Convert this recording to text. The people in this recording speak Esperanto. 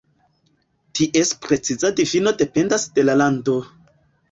Ties preciza difino dependas de la lando.